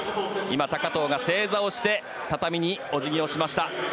高藤が正座をして畳にお辞儀をしました。